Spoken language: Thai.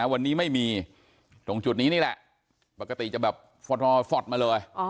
นะฮะวันนี้ไม่มีตรงจุดนี้นี่แหละปกติจะแบบฟอดมาเลย